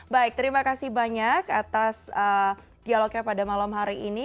baik terima kasih banyak atas dialognya pada malam hari ini